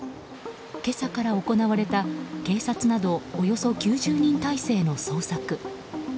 今朝から行われた、警察などおよそ９０人態勢の捜索。